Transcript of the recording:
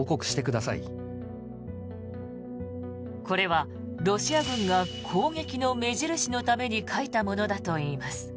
これはロシア軍が攻撃の目印のために描いたものだといいます。